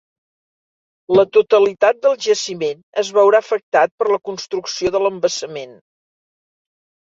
La totalitat del jaciment es veurà afectat per la construcció de l'embassament.